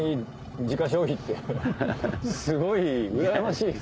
すごいうらやましいですね。